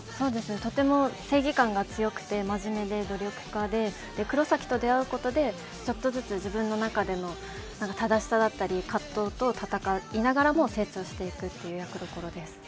とても正義感が強くて真面目で努力家で黒崎と出会うことでちょっとずつ自分の中での正しさとか葛藤と戦いながらも成長していくという役どころです。